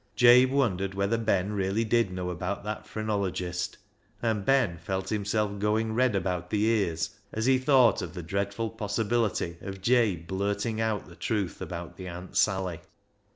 Jabe wondered whether Ben really did know about that phrenologist, and Ben felt himself going red about the ears as he thought of the dreadful possibility of Jabe blurting out the truth about the " Aunt Sally."